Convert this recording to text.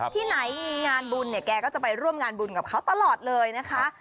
ที่ไหนมีงานบุญเนี่ยแกก็จะไปร่วมงานบุญกับเขาตลอดเลยนะคะ